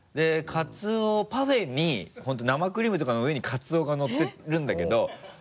パフェに本当生クリームとかの上にカツオがのってるんだけど。